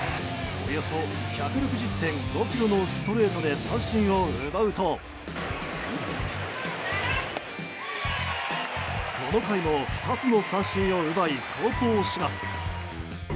およそ１６０．５キロのストレートで三振を奪うとこの回も２つの三振を奪い好投します。